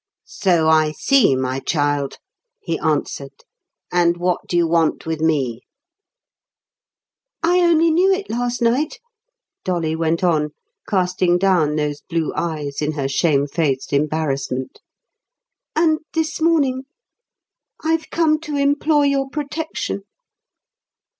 "So I see, my child," he answered. "And what do you want with me?" "I only knew it last night," Dolly went on, casting down those blue eyes in her shamefaced embarrassment. "And this morning ... I've come to implore your protection."